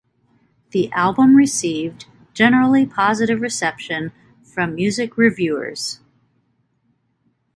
The album received generally positive reception from music reviewers.